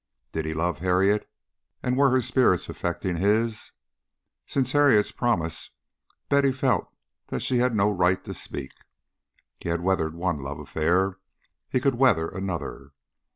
Did he love Harriet? and were her spirits affecting his? Since Harriet's promise Betty felt that she had no right to speak. He had weathered one love affair, he could weather another.